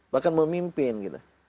bahkan memimpin gitu